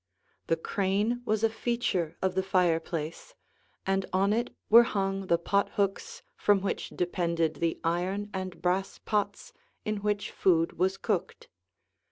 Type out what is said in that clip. The crane was a feature of the fireplace, and on it were hung the pothooks from which depended the iron and brass pots in which food was cooked.